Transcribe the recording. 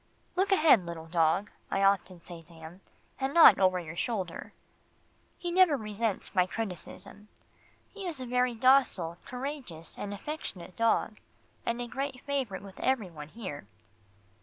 "Look ahead, little dog," I often say to him, "and not over your shoulder." He never resents my criticism. He is a very docile, courageous and affectionate dog, and a great favourite with every one here.